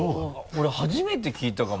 俺初めて聞いたかも。